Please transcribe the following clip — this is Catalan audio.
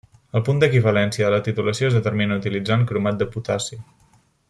El punt d'equivalència de la titulació es determina utilitzant cromat de potassi.